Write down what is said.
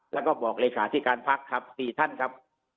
แล้วก็บอกเลขาธิการพักครับ๔ท่านครับ